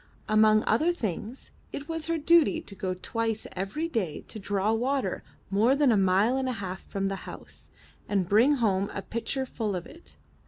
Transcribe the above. Among other things, it was her duty to go twice every day to draw water more than a mile and a half from the house, and bring home a pitcher full of it.